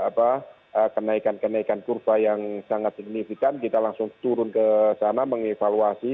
apa kenaikan kenaikan kurva yang sangat signifikan kita langsung turun ke sana mengevaluasi